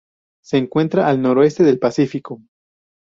Se encuentra al noroeste del Pacífico.